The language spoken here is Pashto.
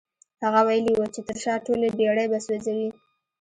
هغه ويلي وو چې تر شا ټولې بېړۍ به سوځوي.